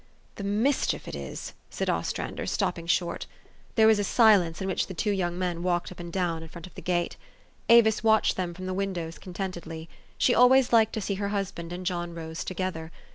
11 The mischief it is !" said Ostrander, stopping THE STORY OF AVIS. 359 short. There was a silence, in which the two young men walked up and down in front of the gate. Avis watched them from the windows contentedly. She always liked to see her husband and John Rose to gether.